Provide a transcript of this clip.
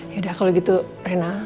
yaudah kalau gitu rena